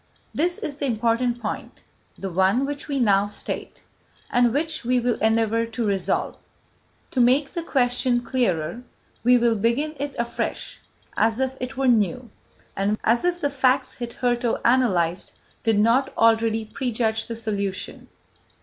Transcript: This is the important point, the one which we now state, and which we will endeavour to resolve. To make the question clearer, we will begin it afresh, as if it were new, and as if the facts hitherto analysed did not already prejudge the solution.